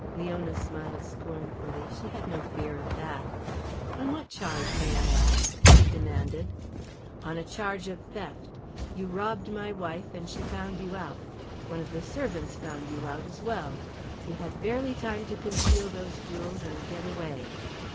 Leona smiled scornfully. She had no fear of that. "On what charge, may I ask?" she demanded. "On a charge of theft. You robbed my wife and she found you out. One of the servants found you out as well. You had barely time to conceal those jewels and get away.